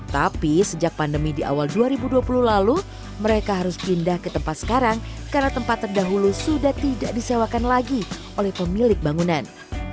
tapi sejak pandemi di awal dua ribu dua puluh lalu mereka harus pindah ke tempat sekarang karena tempat terdahulu sudah tidak disewakan lagi oleh pemilik bangunan